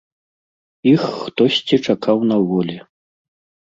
Іх хтосьці чакаў на волі.